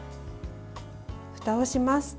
ふたをします。